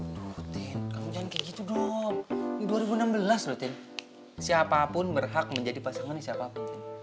loh tin kamu jangan kayak gitu dok ini dua ribu enam belas loh tin siapapun berhak menjadi pasangan ini siapapun